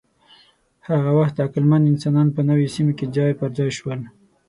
هغه وخت عقلمن انسانان په نویو سیمو کې ځای پر ځای شول.